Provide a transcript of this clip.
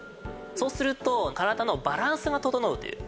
そうすると体のバランスが整うという。